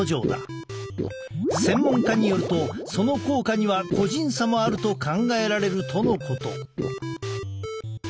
専門家によるとその効果には個人差もあると考えられるとのこと。